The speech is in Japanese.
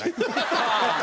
ハハハハ！